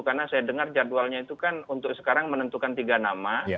karena saya dengar jadwalnya itu kan untuk sekarang menentukan tiga nama